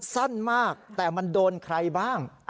สั้นมากแต่มันโดนใครบ้าง